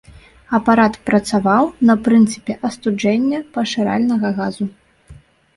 Апарат працаваў на прынцыпе астуджэння пашыральнага газу.